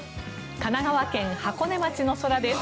神奈川県箱根町の空です。